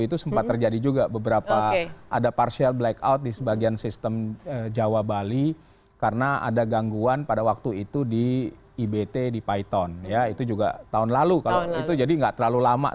tapi cakupan daerah yang terkena dampaknya